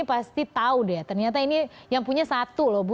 pasti tahu deh ternyata ini yang punya satu loh bu